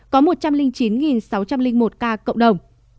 có một trăm linh chín sáu trăm linh một ca cộng đồng